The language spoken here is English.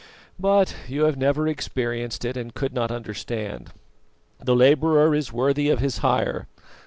But you have never experienced it, and could not understand. 'The labourer is worthy of his hire.